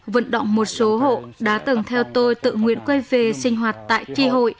vận động một số hộ đã từng theo tôi tự nguyện quay về sinh hoạt tại tri hội